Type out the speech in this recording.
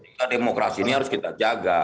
kita demokrasi ini harus kita jaga